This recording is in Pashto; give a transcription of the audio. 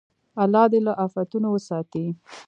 الله دې له افتونو وساتي.